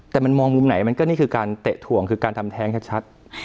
แต่มันมองมุมไหนมันก็นี่คือการเตะถ่วงคือการทำแท้งชัด